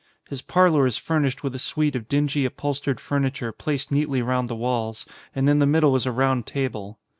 His parlour is furnished with a suite of dingy upholstered furniture placed neatly round the walls, and in the middle is a round table.